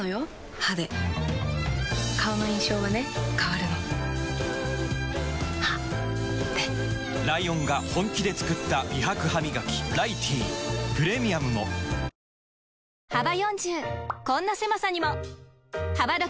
歯で顔の印象はね変わるの歯でライオンが本気で作った美白ハミガキ「ライティー」プレミアムもラストはついに登場！